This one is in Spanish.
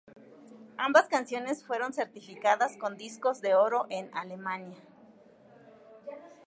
Ambas canciones fueron certificadas con discos de oro en Alemania.